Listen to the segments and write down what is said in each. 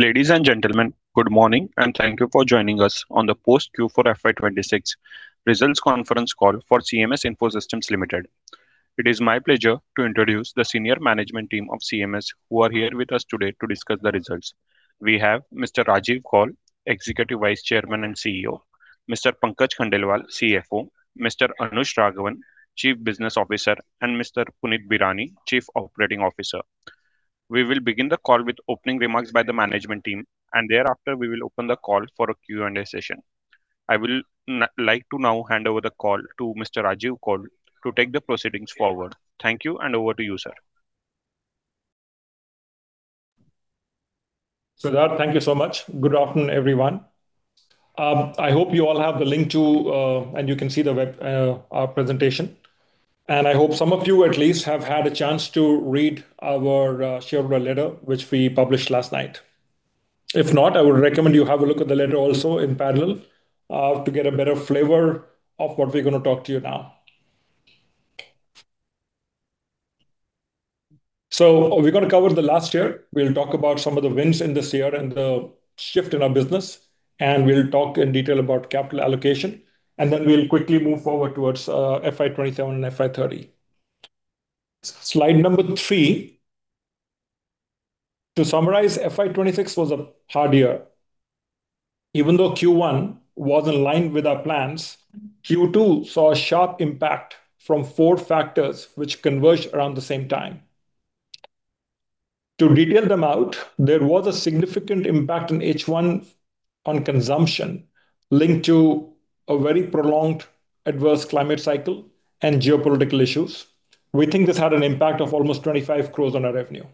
Ladies and gentlemen, good morning, thank you for joining us on the post Q4 FY 2026 results conference call for CMS Info Systems Limited. It is my pleasure to introduce the senior management team of CMS who are here with us today to discuss the results. We have Mr. Rajiv Kaul, Executive Vice Chairman and CEO; Mr. Pankaj Khandelwal, CFO; Mr. Anush Raghavan, Chief Business Officer; and Mr. Puneet Bhirani, Chief Operating Officer. We will begin the call with opening remarks by the management team, thereafter we will open the call for a Q&A session. I will like to now hand over the call to Mr. Rajiv Kaul to take the proceedings forward. Thank you and over to you, sir. Siddharth, thank you so much. Good afternoon, everyone. I hope you all have the link to and you can see our presentation. I hope some of you at least have had a chance to read our shareholder letter, which we published last night. If not, I would recommend you have a look at the letter also in parallel to get a better flavor of what we're gonna talk to you now. We're gonna cover the last year. We'll talk about some of the wins in this year and the shift in our business, and we'll talk in detail about capital allocation. We'll quickly move forward towards FY 2027 and FY 2030. Slide number 3. To summarize, FY 2026 was a hard year. Even though Q1 was aligned with our plans, Q2 saw a sharp impact from four factors which converged around the same time. To detail them out, there was a significant impact in H1 on consumption linked to a very prolonged adverse climate cycle and geopolitical issues. We think this had an impact of almost 25 crore on our revenue.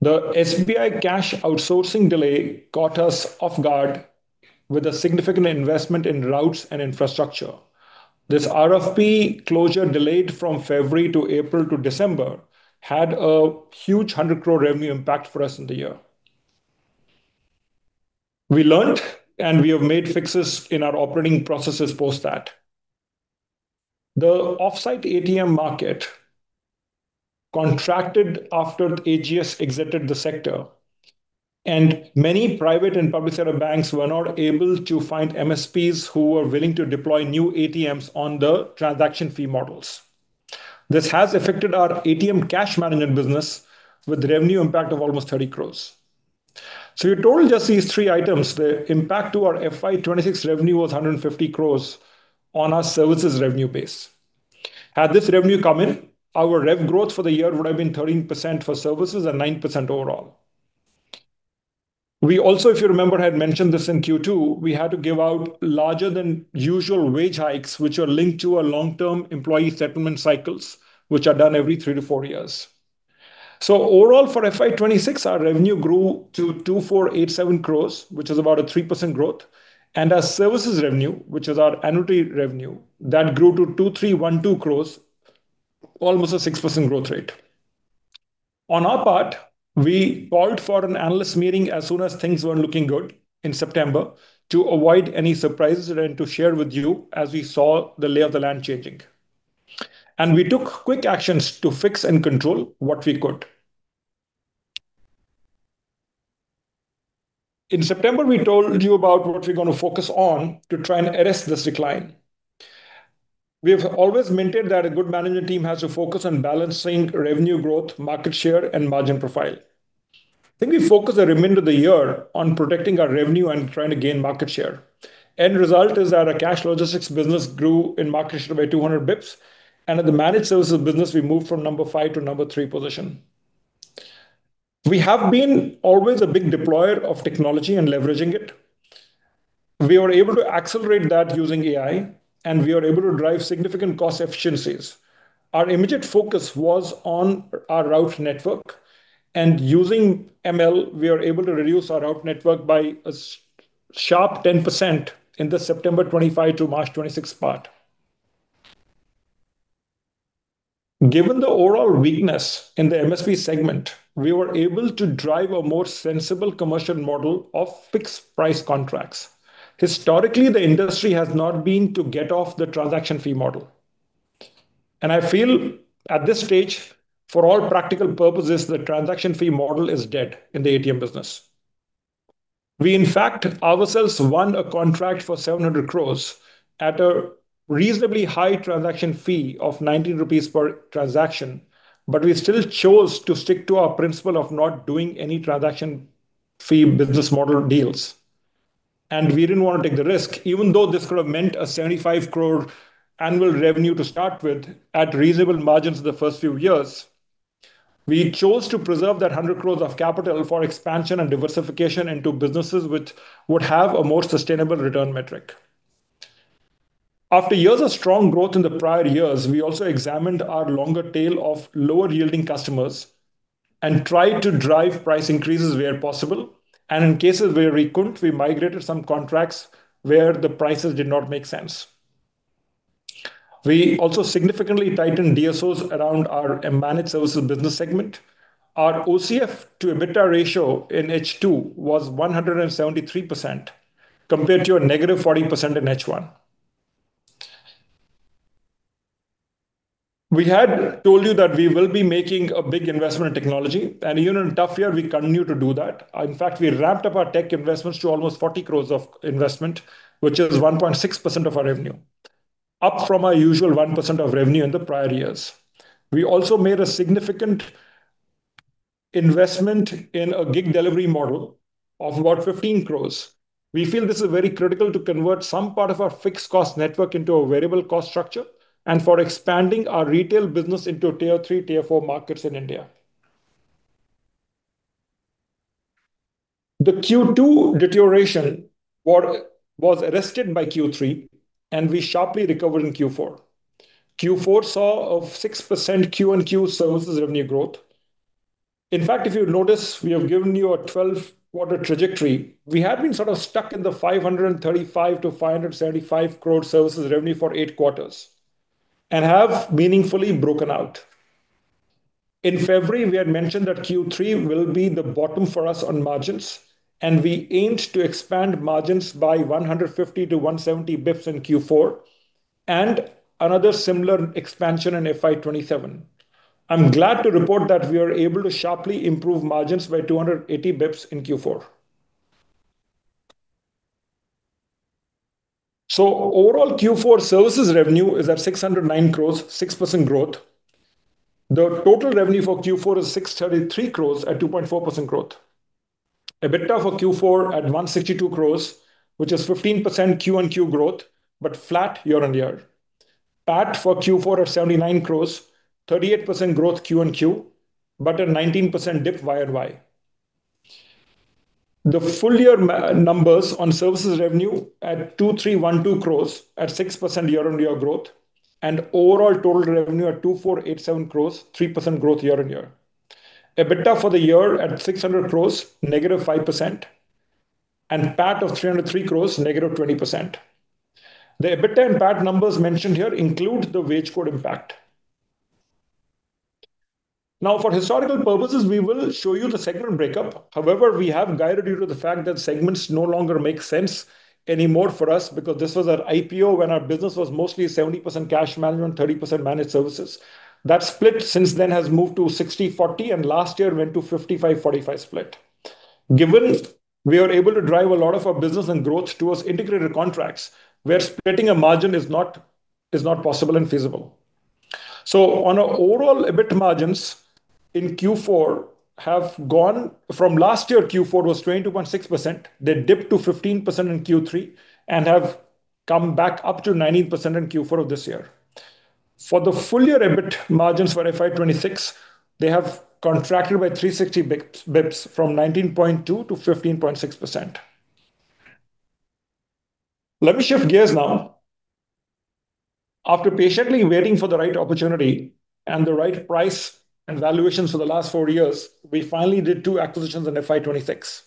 The SBI cash outsourcing delay caught us off guard with a significant investment in routes and infrastructure. This RFP closure delayed from February to April to December had a huge 100 crore revenue impact for us in the year. We learned, and we have made fixes in our operating processes post that. The off-site ATM market contracted after AGS exited the sector, and many private and public sector banks were not able to find MSPs who were willing to deploy new ATMs on the transaction fee models. This has affected our ATM cash management business with revenue impact of almost 30 crores. In total, just these three items, the impact to our FY 2026 revenue was 150 crores on our services revenue base. Had this revenue come in, our rev growth for the year would have been 13% for services and 9% overall. We also, if you remember, had mentioned this in Q2, we had to give out larger than usual wage hikes, which are linked to our long-term employee settlement cycles, which are done every three to four years. Overall for FY 2026, our revenue grew to 2,487 crores, which is about a 3% growth. Our services revenue, which is our annuity revenue, that grew to 2,312 crores, almost a 6% growth rate. On our part, we called for an analyst meeting as soon as things were looking good in September to avoid any surprises and to share with you as we saw the lay of the land changing. We took quick actions to fix and control what we could. In September, we told you about what we're gonna focus on to try and arrest this decline. We have always maintained that a good management team has to focus on balancing revenue growth, market share, and margin profile. I think we focused the remainder of the year on protecting our revenue and trying to gain market share. End result is that our cash logistics business grew in market share by 200 bips, and at the managed services business, we moved from number 5 to number 3 position. We have been always a big deployer of technology and leveraging it. We were able to accelerate that using AI, and we were able to drive significant cost efficiencies. Our immediate focus was on our route network, and using ML, we were able to reduce our route network by a sharp 10% in the September 2025 to March 2026 part. Given the overall weakness in the MSP segment, we were able to drive a more sensible commercial model of fixed price contracts. Historically, the industry has not been to get off the transaction fee model. I feel at this stage, for all practical purposes, the transaction fee model is dead in the ATM business. We, in fact, ourselves won a contract for 700 crore at a reasonably high transaction fee of 19 rupees per transaction, but we still chose to stick to our principle of not doing any transaction fee business model deals. We didn't want to take the risk, even though this could have meant an 75 crore annual revenue to start with at reasonable margins for the first few years. We chose to preserve that 100 crore of capital for expansion and diversification into businesses which would have a more sustainable return metric. After years of strong growth in the prior years, we also examined our longer tail of lower-yielding customers and tried to drive price increases where possible, and in cases where we couldn't, we migrated some contracts where the prices did not make sense. We also significantly tightened DSOs around our managed services business segment. Our OCF to EBITDA ratio in H2 was 173% compared to a -40% in H1. We had told you that we will be making a big investment in technology. Even in a tough year, we continue to do that. In fact, we ramped up our tech investments to almost 40 crores of investment, which is 1.6% of our revenue, up from our usual 1% of revenue in the prior years. We also made a significant investment in a gig delivery model of about 15 crores. We feel this is very critical to convert some part of our fixed cost network into a variable cost structure and for expanding our retail business into tier 3, tier 4 markets in India. The Q2 deterioration was arrested by Q3. We sharply recovered in Q4. Q4 saw of 6% Q on Q services revenue growth. In fact, if you notice, we have given you a 12-quarter trajectory. We have been sort of stuck in the 535 crore-575 crore services revenue for 8 quarters and have meaningfully broken out. In February, we had mentioned that Q3 will be the bottom for us on margins, and we aimed to expand margins by 150-170 bps in Q4 and another similar expansion in FY 2027. I'm glad to report that we are able to sharply improve margins by 280 bps in Q4. Overall Q4 services revenue is at 609 crore, 6% growth. The total revenue for Q4 is 633 crore at 2.4% growth. EBITDA for Q4 at 162 crores, which is 15% Q-on-Q growth, but flat year-on-year. PAT for Q4 are 79 crores, 38% growth Q-on-Q, but a 19% dip Y-on-Y. The full year numbers on services revenue at 2,312 crores at 6% year-on-year growth and overall total revenue at 2,487 crores, 3% growth year-on-year. EBITDA for the year at 600 crores, -5%, and PAT of 303 crores, -20%. The EBITDA and PAT numbers mentioned here include the wage code impact. Now, for historical purposes, we will show you the segment breakup. However, we have guided you to the fact that segments no longer make sense anymore for us because this was our IPO when our business was mostly 70% cash management, 30% managed services. That split since then has moved to 60/40, and last year went to 55/45 split. Given we are able to drive a lot of our business and growth towards integrated contracts, where splitting a margin is not possible and feasible. On our overall EBITDA margins in Q4, from last year, Q4 was 22.6%. They dipped to 15% in Q3 and have come back up to 19% in Q4 of this year. For the full year EBITDA margins for FY 2026, they have contracted by 360 basis points, from 19.2% to 15.6%. Let me shift gears now. After patiently waiting for the right opportunity and the right price and valuations for the last four years, we finally did 2 acquisitions in FY 2026.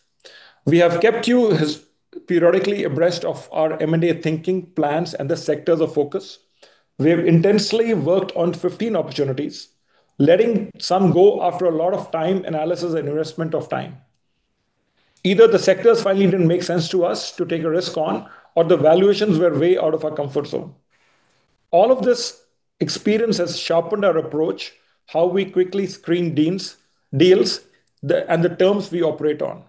We have kept you as periodically abreast of our M&A thinking plans and the sectors of focus. We have intensely worked on 15 opportunities, letting some go after a lot of time, analysis and investment of time. Either the sectors finally didn't make sense to us to take a risk on, or the valuations were way out of our comfort zone. All of this experience has sharpened our approach, how we quickly screen deals and the terms we operate on.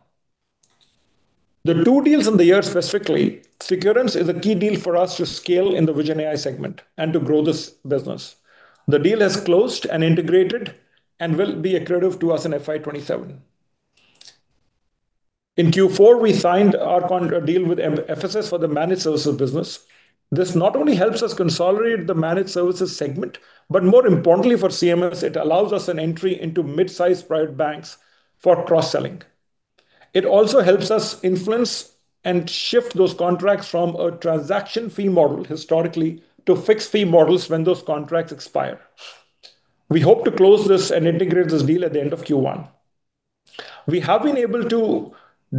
The two deals in the year specifically, Securens is a key deal for us to scale in the Vision AI segment and to grow this business. The deal has closed and integrated and will be accretive to us in FY 2027. In Q4, we signed our deal with FSS for the managed services business. This not only helps us consolidate the managed services segment, but more importantly for CMS, it allows us an entry into mid-size private banks for cross-selling. It also helps us influence and shift those contracts from a transaction fee model historically to fixed fee models when those contracts expire. We hope to close this and integrate this deal at the end of Q1. We have been able to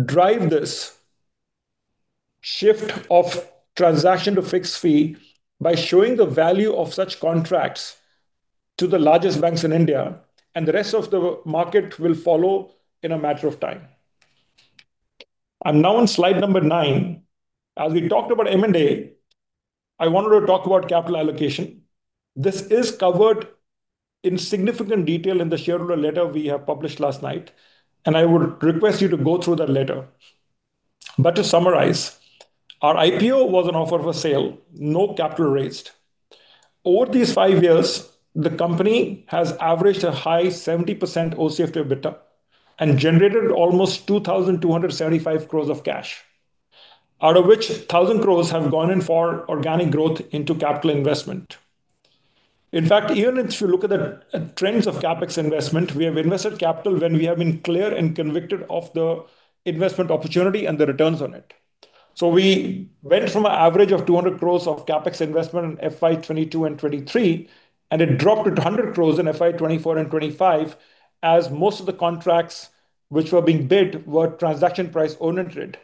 drive this shift of transaction to fixed fee by showing the value of such contracts to the largest banks in India, and the rest of the market will follow in a matter of time. I'm now on slide number 9. As we talked about M&A, I wanted to talk about capital allocation. This is covered in significant detail in the shareholder letter we have published last night, and I would request you to go through that letter. To summarize, our IPO was an offer for sale, no capital raised. Over these five years, the company has averaged a high 70% OCF to EBITDA and generated almost 2,275 crores of cash, out of which 1,000 crores have gone in for organic growth into capital investment. In fact, even if you look at the trends of CapEx investment, we have invested capital when we have been clear and convicted of the investment opportunity and the returns on it. We went from an average of 200 crores of CapEx investment in FY 2022 and 2023, and it dropped to 100 crores in FY 2024 and 2025, as most of the contracts which were being bid were transaction price owner trade,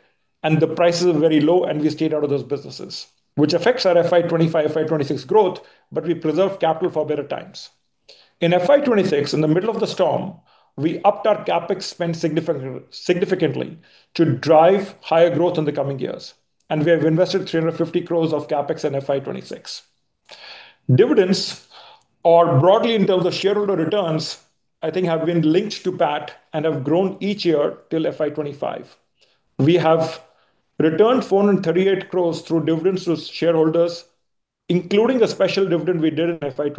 and the prices were very low, and we stayed out of those businesses. Which affects our FY 2025, FY 2026 growth, but we preserve capital for better times. In FY 2026, in the middle of the storm, we upped our CapEx spend significantly to drive higher growth in the coming years, and we have invested 350 crores of CapEx in FY 2026. Dividends are broadly in terms of shareholder returns, I think have been linked to PAT and have grown each year till FY 2025. We have returned 438 crores through dividends to shareholders, including the special dividend we did in FY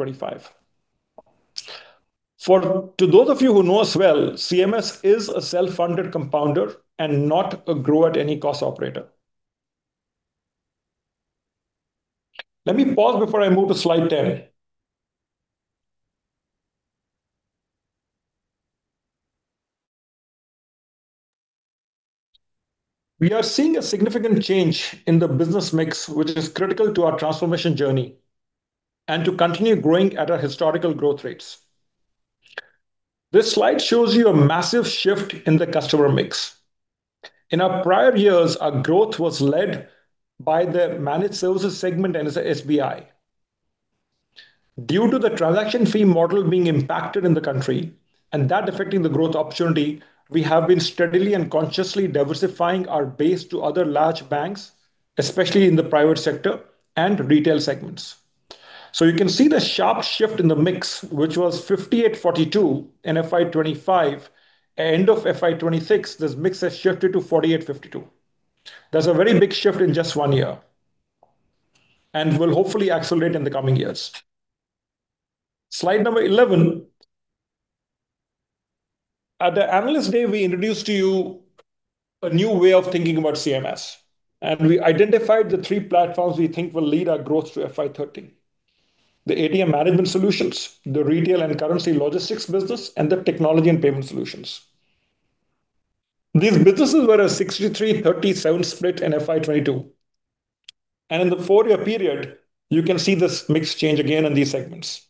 2025. To those of you who know us well, CMS is a self-funded compounder and not a grow-at-any-cost operator. Let me pause before I move to slide 10. We are seeing a significant change in the business mix, which is critical to our transformation journey and to continue growing at our historical growth rates. This slide shows you a massive shift in the customer mix. In our prior years, our growth was led by the managed services segment and the SBI. Due to the transaction fee model being impacted in the country and that affecting the growth opportunity, we have been steadily and consciously diversifying our base to other large banks, especially in the private sector and retail segments. You can see the sharp shift in the mix, which was 58 42 in FY 2025. End of FY 2026, this mix has shifted to 48 52. That's a very big shift in just one year and will hopefully accelerate in the coming years. Slide number 11. At the Analyst Day, we introduced to you a new way of thinking about CMS, we identified the three platforms we think will lead our growth through FY 2030. The ATM management solutions, the retail and currency logistics business, and the technology and payment solutions. These businesses were a 63, 30, seven split in FY 2022. In the four-year period, you can see this mix change again in these segments.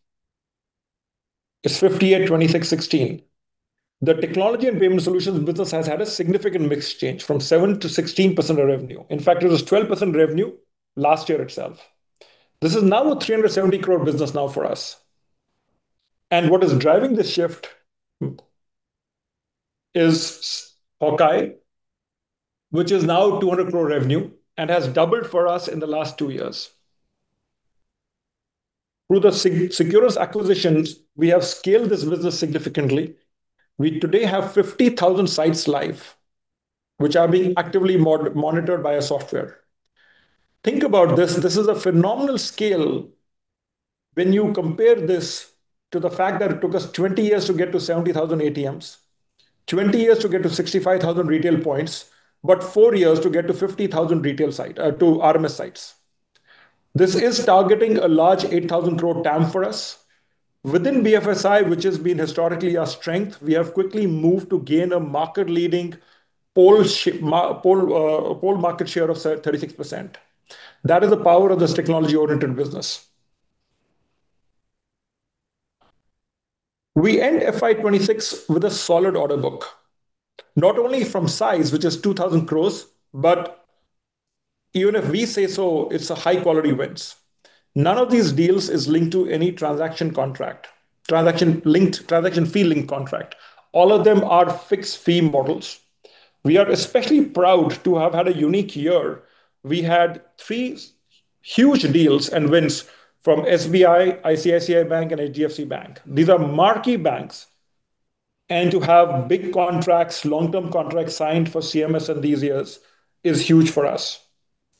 It's 58, 26, 16. The technology and payment solutions business has had a significant mix change from 7% to 16% of revenue. In fact, it was 12% revenue last year itself. This is now an 370 crore business now for us. What is driving this shift is HawkEye, which is now 200 crore revenue and has doubled for us in the last two years. Through the Securens acquisitions, we have scaled this business significantly. We today have 50,000 sites live, which are being actively monitored by a software. Think about this. This is a phenomenal scale when you compare this to the fact that it took us 20 years to get to 70,000 ATMs, 20 years to get to 65,000 retail points, but four years to get to 50,000 retail to RMS sites. This is targeting a large 8,000 crore TAM for us. Within BFSI, which has been historically our strength, we have quickly moved to gain a market-leading pole market share of 36%. That is the power of this technology-oriented business. We end FY 2026 with a solid order book, not only from size, which is 2,000 crores, but even if we say so, it's a high-quality wins. None of these deals is linked to any transaction contract. Transaction fee link contract. All of them are fixed fee models. We are especially proud to have had a unique year. We had three huge deals and wins from SBI, ICICI Bank, and HDFC Bank. These are marquee banks, and to have big contracts, long-term contracts signed for CMS in these years is huge for us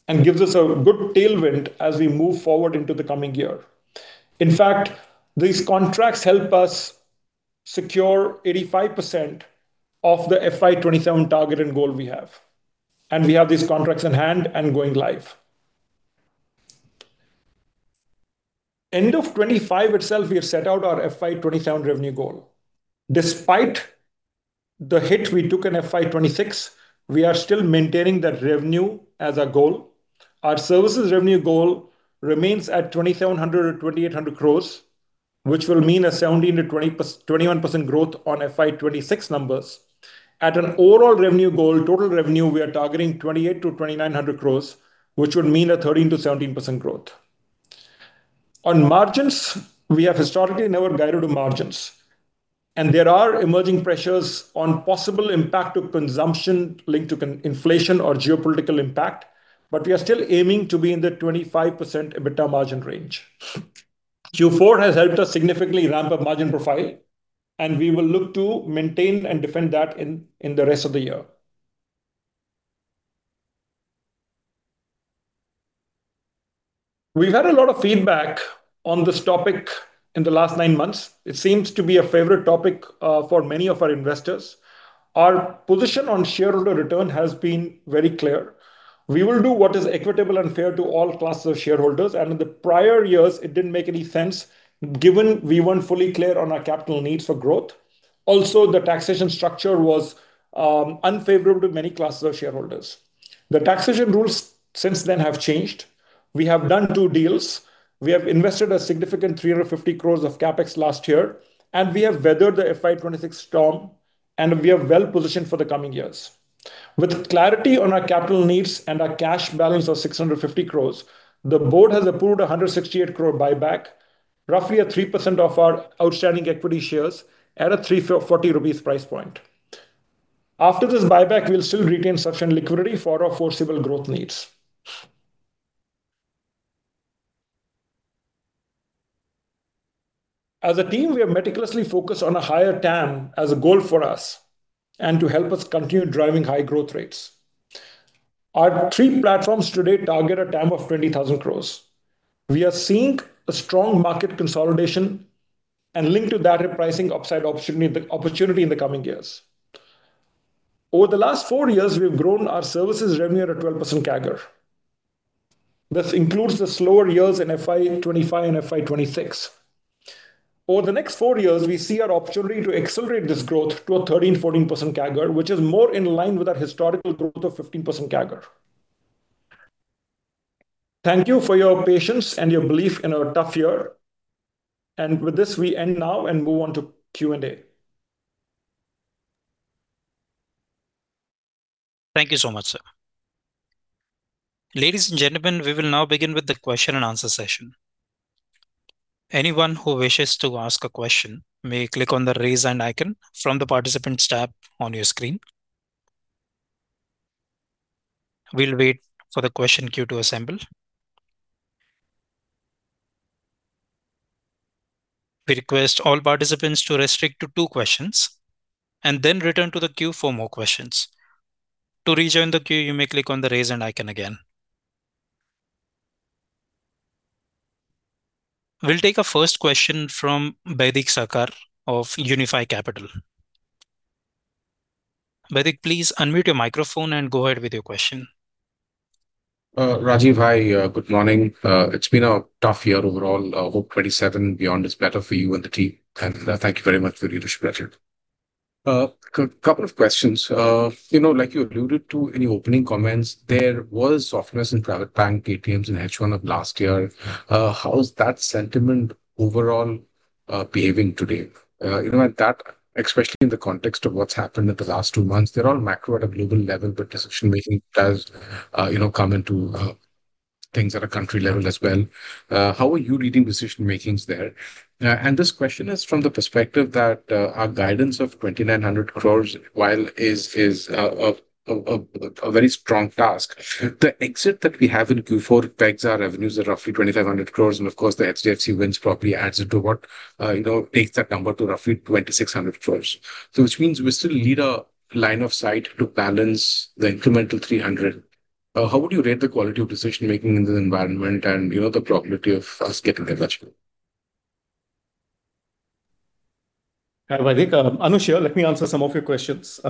and gives us a good tailwind as we move forward into the coming year. In fact, these contracts help us secure 85% of the FY 2027 target and goal we have. We have these contracts in hand and going live. End of 2025 itself, we have set out our FY 2027 revenue goal. Despite the hit we took in FY 2026, we are still maintaining that revenue as our goal. Our services revenue goal remains at 2,700 crore or 2,800 crore, which will mean a 17% to 21% growth on FY 2026 numbers. At an overall revenue goal, total revenue, we are targeting 2,800 crore-2,900 crore, which would mean a 13% to 17% growth. On margins, we have historically never guided to margins. There are emerging pressures on possible impact to consumption linked to inflation or geopolitical impact. We are still aiming to be in the 25% EBITDA margin range. Q4 has helped us significantly ramp up margin profile, and we will look to maintain and defend that in the rest of the year. We've had a lot of feedback on this topic in the last nine months. It seems to be a favorite topic for many of our investors. Our position on shareholder return has been very clear. We will do what is equitable and fair to all classes of shareholders, and in the prior years, it didn't make any sense given we weren't fully clear on our capital needs for growth. The taxation structure was unfavorable to many classes of shareholders. The taxation rules since then have changed. We have done two deals. We have invested a significant 350 crores of CapEx last year, and we have weathered the FY 2026 storm, and we are well-positioned for the coming years. With clarity on our capital needs and our cash balance of 650 crores, the board has approved an 168 crore buyback, roughly a 3% of our outstanding equity shares at a 340 rupees price point. After this buyback, we'll still retain sufficient liquidity for our foreseeable growth needs. As a team, we are meticulously focused on a higher TAM as a goal for us and to help us continue driving high growth rates. Our three platforms today target a TAM of 20,000 crores. We are seeing a strong market consolidation and linked to that a pricing upside opportunity in the coming years. Over the last four years, we've grown our services revenue at a 12% CAGR. This includes the slower years in FY 2025 and FY 2026. Over the next four years, we see our opportunity to accelerate this growth to a 13% to 14% CAGR, which is more in line with our historical growth of 15% CAGR. Thank you for your patience and your belief in our tough year. With this, we end now and move on to Q&A. Thank you so much, sir. Ladies and gentlemen, we will now begin with the question and answer session. Anyone who wishes to ask a question may click on the Raise Hand icon from the Participants tab on your screen. We will wait for the question queue to assemble. We request all participants to restrict to two questions and then return to the queue for more questions. To rejoin the queue, you may click on the Raise Hand icon again. We will take a first question from Baidik Sarkar of Unifi Capital. Baidik, please unmute your microphone and go ahead with your question. Rajiv, hi. Good morning. It's been a tough year overall. Hope 27 beyond is better for you and the team, and thank you very much for your leadership, Rajiv. Couple of questions. You know, like you alluded to in your opening comments, there was softness in private bank ATMs in H1 of last year. How's that sentiment overall behaving today? You know, and that especially in the context of what's happened in the last two months, they're all macro at a global level, but decision-making does, you know, come into things at a country level as well. How are you reading decision-makings there? And this question is from the perspective that our guidance of 2,900 crore is a very strong task. The exit that we have in Q4 pegs our revenues at roughly 2,500 crores. Of course, the HDFC wins probably adds it to what, you know, takes that number to roughly 2,600 crores. Which means we still need a line of sight to balance the incremental 300 crores. How would you rate the quality of decision-making in this environment and, you know, the probability of us getting there, Rajiv? Hi, Baidik. Anush here. Let me answer some of your questions.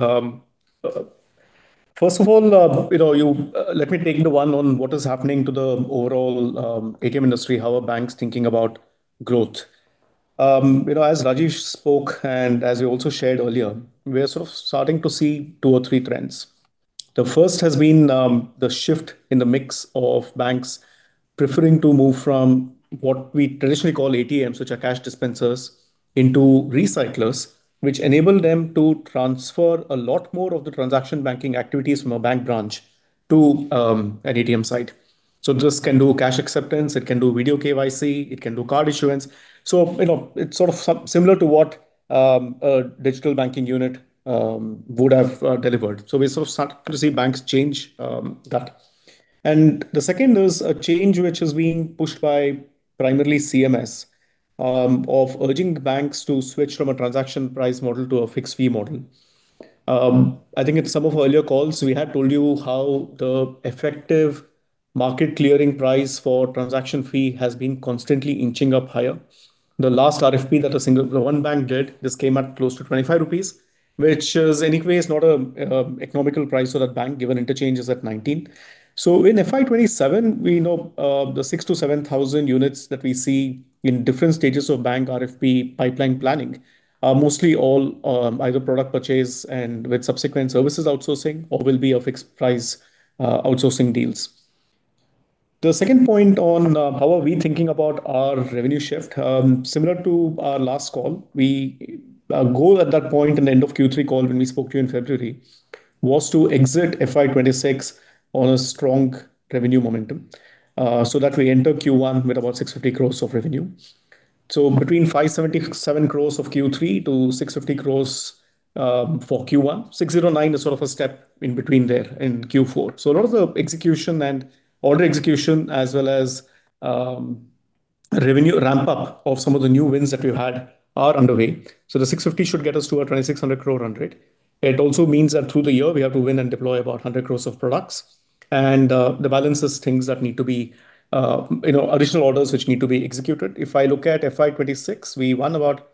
First of all, you know, you, let me take the one on what is happening to the overall ATM industry, how are banks thinking about growth. You know, as Rajiv spoke and as we also shared earlier, we are sort of starting to see two or three trends. The first has been the shift in the mix of banks preferring to move from what we traditionally call ATMs, which are cash dispensers, into recyclers, which enable them to transfer a lot more of the transaction banking activities from a bank branch to an ATM site. This can do cash acceptance, it can do video KYC, it can do card issuance. You know, it's sort of similar to what a digital banking unit would have delivered. We're sort of starting to see banks change that. The second is a change which is being pushed by primarily CMS of urging banks to switch from a transaction price model to a fixed fee model. I think in some of our earlier calls, we had told you how the effective market clearing price for transaction fee has been constantly inching up higher. The last RFP that one bank did, this came at close to 25 rupees, which is anyway is not a economical price for that bank, given interchange is at 19. In FY 2027, we know, the 6,000 to 7,000 units that we see in different stages of bank RFP pipeline planning are mostly all, either product purchase and with subsequent services outsourcing or will be a fixed price outsourcing deals. The second point on how are we thinking about our revenue shift. Similar to our last call, Our goal at that point in the end of Q3 call when we spoke to you in February was to exit FY 2026 on a strong revenue momentum, so that we enter Q1 with about 650 crores of revenue. Between 577 crores of Q3 to 650 crores for Q1. 609 is sort of a step in between there in Q4. A lot of the execution and order execution as well as revenue ramp-up of some of the new wins that we've had are underway. The 650 should get us to our 2,600 crore run rate. It also means that through the year, we have to win and deploy about 100 crores of products and the balances things that need to be additional orders which need to be executed. If I look at FY 2026, we won about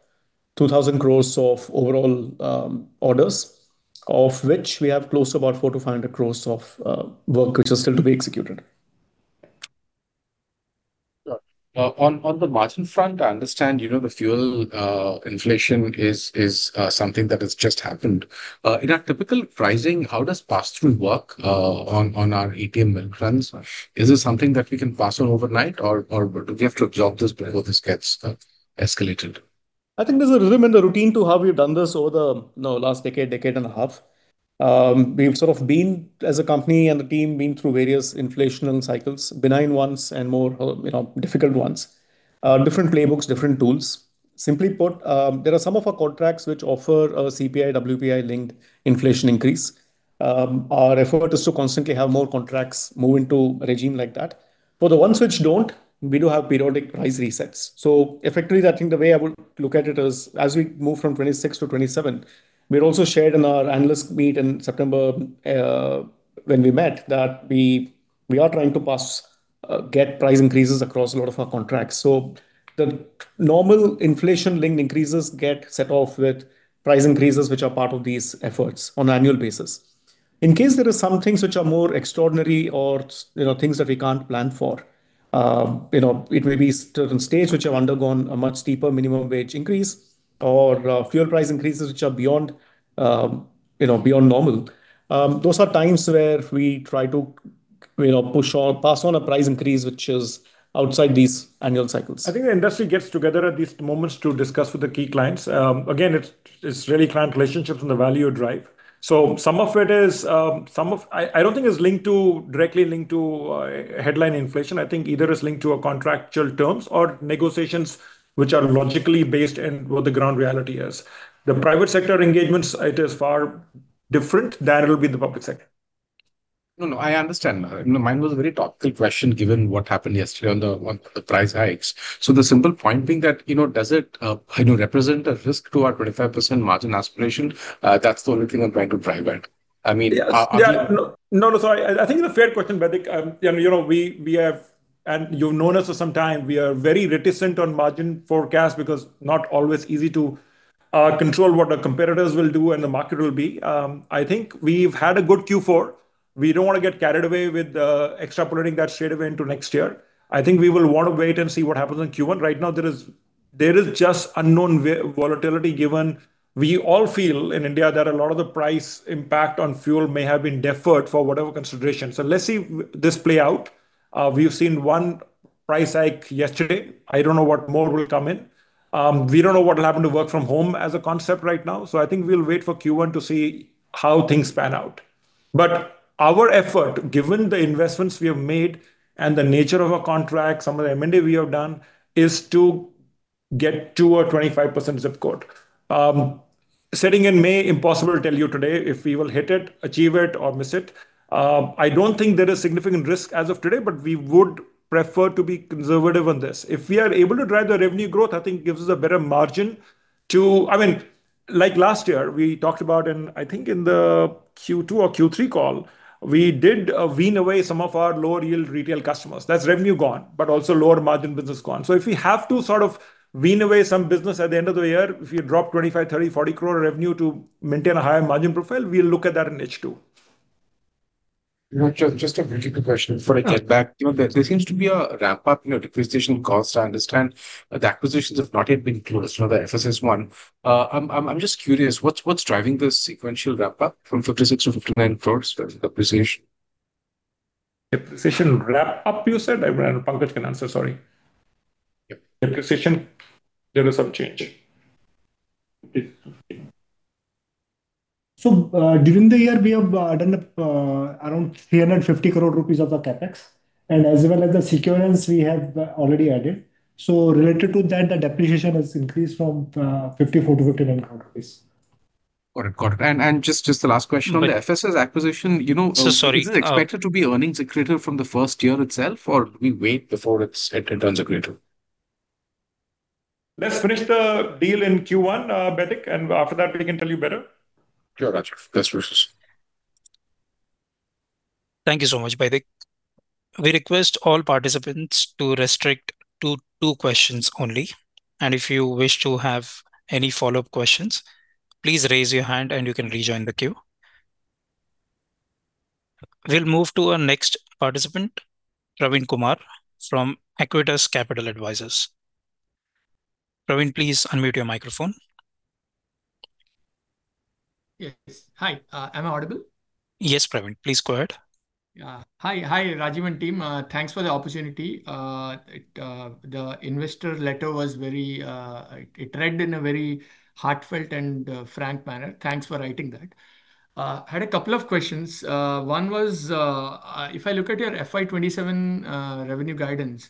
2,000 crores of overall orders, of which we have close to about 400 to 500 crores of work which is still to be executed. On the margin front, I understand, you know, the fuel inflation is something that has just happened. In our typical pricing, how does pass-through work on our ATM lockdowns? Is this something that we can pass on overnight or do we have to absorb this before this gets escalated? I think there's a rhythm and a routine to how we've done this over the, you know, last decade and a half. We've sort of been, as a company and a team, been through various inflation cycles, benign ones and more, you know, difficult ones. Different playbooks, different tools. Simply put, there are some of our contracts which offer a CPI, WPI-linked inflation increase. Our effort is to constantly have more contracts move into a regime like that. For the ones which don't, we do have periodic price resets. Effectively, I think the way I would look at it is as we move from 2026 to 2027, we'd also shared in our analyst meet in September, when we met, that we are trying to pass, get price increases across a lot of our contracts. The normal inflation-linked increases get set off with price increases which are part of these efforts on an annual basis. In case there are some things which are more extraordinary or, you know, things that we can't plan for, you know, it may be certain states which have undergone a much steeper minimum wage increase or fuel price increases which are beyond, you know, beyond normal. Those are times where we try to, you know, pass on a price increase which is outside these annual cycles. I think the industry gets together at these moments to discuss with the key clients. Again, it's really client relationships and the value you drive. Some of it is, I don't think it's linked to, directly linked to headline inflation. I think either it's linked to a contractual terms or negotiations which are logically based in what the ground reality is. The private sector engagements, it is far different than it'll be in the public sector. No, no, I understand. Mine was a very topical question given what happened yesterday on the price hikes. The simple point being that, you know, does it, you know, represent a risk to our 25% margin aspiration? That's the only thing I'm trying to drive at. I mean, are we- Yeah. No, no, sorry. I think it's a fair question, Baidik. you know, you know, we have and you've known us for some time, we are very reticent on margin forecast because not always easy to control what our competitors will do and the market will be. I think we've had a good Q4. We don't wanna get carried away with extrapolating that straight away into next year. I think we will wanna wait and see what happens in Q1. Right now, there is just unknown volatility given we all feel in India that a lot of the price impact on fuel may have been deferred for whatever consideration. Let's see this play out. We've seen one price hike yesterday. I don't know what more will come in. We don't know what'll happen to work from home as a concept right now. I think we'll wait for Q1 to see how things pan out. Our effort, given the investments we have made and the nature of our contracts, some of the M&A we have done, is to get to our 25% zip code. Sitting in May, impossible to tell you today if we will hit it, achieve it, or miss it. I don't think there is significant risk as of today, but we would prefer to be conservative on this. If we are able to drive the revenue growth, I think it gives us a better margin to I mean, like last year, we talked about in, I think in the Q2 or Q3 call, we did wean away some of our lower yield retail customers. That's revenue gone, also lower margin business gone. If we have to sort of wean away some business at the end of the year, if you drop 25 crore, 30 crore, 40 crore revenue to maintain a higher margin profile, we'll look at that in H2. No, just a quickie question for a check back. Yeah. You know, there seems to be a ramp-up in your requisition costs, I understand. The acquisitions have not yet been closed, nor the FSS one. I'm just curious, what's driving this sequential ramp-up from 56 crores to 59 crores for the acquisition? Depreciation ramp-up, you said? I, Pankaj can answer. Sorry. Yep. Depreciation, there is some change. During the year, we have done around 350 crore rupees of the CapEx, and as well as Securens we have already added. Related to that, the depreciation has increased from 54 crore to 59 crore rupees. Got it. Got it. Just the last question? Yeah on the FSS acquisition, you know. Sir, sorry. Is it expected to be earnings accretive from the first year itself, or do we wait before it turns accretive? Let's finish the deal in Q1, Baidik. After that we can tell you better. Sure. Gotcha. Thanks, Rajiv Kaul. Thank you so much, Baidik Sarkar. We request all participants to restrict to two questions only. If you wish to have any follow-up questions, please raise your hand and you can rejoin the queue. We'll move to our next participant, Praveen Kumar from Equitas Capital Advisors. Praveen, please unmute your microphone. Yes. Hi, am I audible? Yes, Praveen. Please go ahead. Hi. Hi, Rajiv and team. Thanks for the opportunity. The investor letter was very, it read in a very heartfelt and frank manner. Thanks for writing that. Had a couple of questions. one was, if I look at your FY 2027 revenue guidance,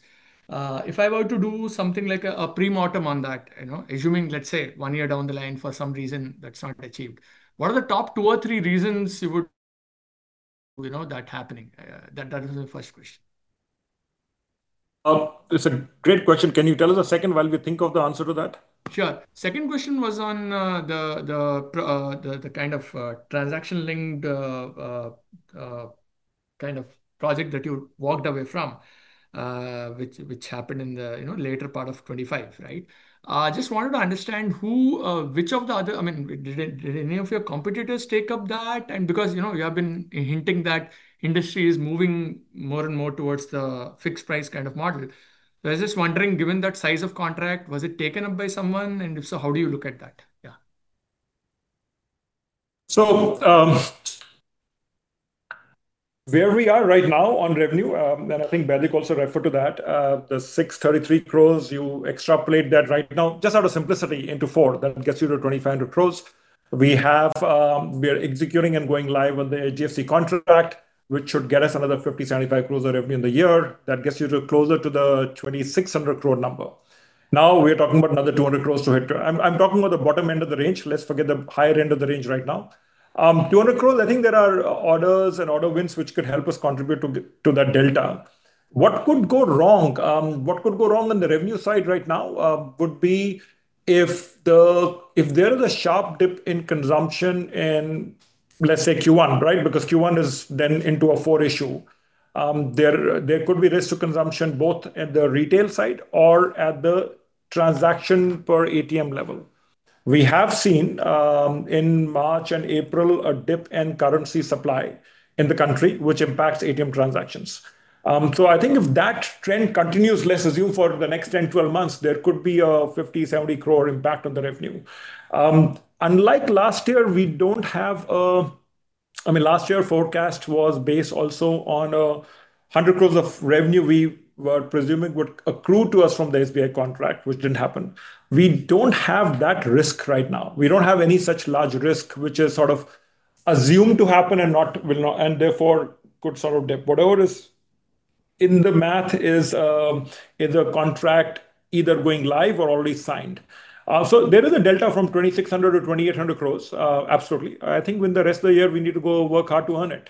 if I were to do something like a pre-mortem on that, you know, assuming, let's say, one year down the line, for some reason that's not achieved, what are the top two or three reasons you would, you know, that happening? That is my first question. It's a great question. Can you tell us a second while we think of the answer to that? Sure. Second question was on the kind of transaction linked kind of project that you walked away from, which happened in the, you know, later part of 2025, right? Just wanted to understand who, which of the other-- I mean, did any of your competitors take up that? Because, you know, you have been hinting that industry is moving more and more towards the fixed price kind of model. I was just wondering, given that size of contract, was it taken up by someone? If so, how do you look at that? Yeah. Where we are right now on revenue, and I think Baidik also referred to that, the 633 crores, you extrapolate that right now just out of simplicity into four, that gets you to 2,500 crores. We are executing and going live on the GFC contract, which should get us another 50-75 crores of revenue in the year. That gets you to closer to the 2,600 crore number. We're talking about another 200 crores to hit. I'm talking about the bottom end of the range. Let's forget the higher end of the range right now. 200 crores, I think there are orders and order wins which could help us contribute to that delta. What could go wrong? What could go wrong on the revenue side right now, would be if there is a sharp dip in consumption in, let's say Q1, right? Because Q1 is then into a four issue. There could be risk to consumption both at the retail side or at the transaction per ATM level. We have seen in March and April, a dip in currency supply in the country, which impacts ATM transactions. I think if that trend continues, let's assume for the next 10, 12 months, there could be an 50 to 70 crore impact on the revenue. Unlike last year, we don't have a I mean, last year forecast was based also on 100 crore of revenue we were presuming would accrue to us from the SBI contract, which didn't happen. We don't have that risk right now. We don't have any such large risk, which is sort of assumed to happen and will not, and therefore could sort of dip. Whatever is in the math is a contract either going live or already signed. There is a delta from 2,600-2,800 crores. Absolutely. I think in the rest of the year, we need to go work hard to earn it.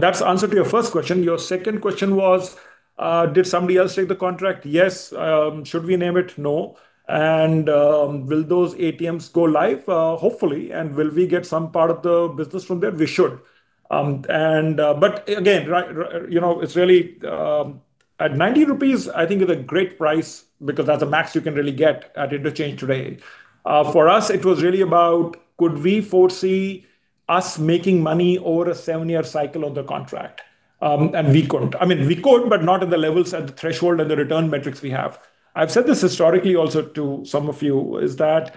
That's the answer to your first question. Your second question was, did somebody else take the contract? Yes. Should we name it? No. Will those ATMs go live? Hopefully. Will we get some part of the business from there? We should. Again, you know, it's really, at 90 rupees, I think it's a great price because that's the max you can really get at interchange today. For us, it was really about could we foresee us making money over a seven-year cycle of the contract. We couldn't. I mean, we could, but not at the levels, at the threshold, and the return metrics we have. I've said this historically also to some of you, is that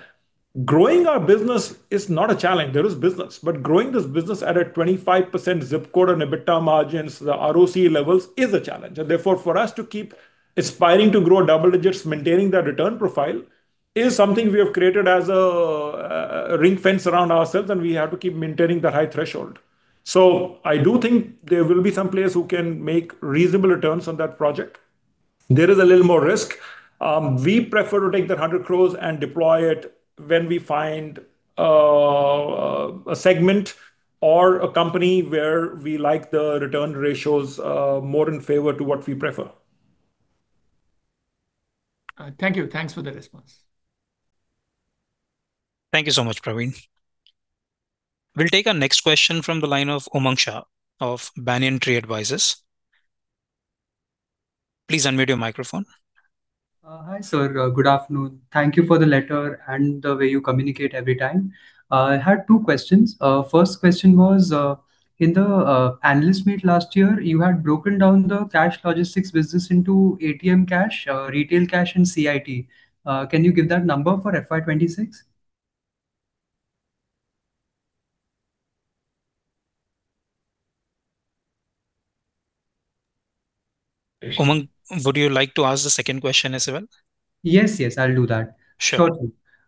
growing our business is not a challenge. There is business. Growing this business at a 25% zip code on EBITDA margins, the ROC levels, is a challenge. Therefore, for us to keep aspiring to grow double digits, maintaining that return profile, is something we have created as a ring fence around ourselves, and we have to keep maintaining the high threshold. I do think there will be some players who can make reasonable returns on that project. There is a little more risk. We prefer to take that 100 crores and deploy it when we find a segment or a company where we like the return ratios more in favor to what we prefer. Thank you. Thanks for the response. Thank you so much, Praveen. We'll take our next question from the line of Umang Shah of Banyan Tree Advisors. Please unmute your microphone. Hi, sir. Good afternoon. Thank you for the letter and the way you communicate every time. I had two questions. First question was, in the analyst meet last year, you had broken down the cash logistics business into ATM cash, retail cash, and CIT. Can you give that number for FY 2026? Umang, would you like to ask the second question as well? Yes, yes, I'll do that. Sure.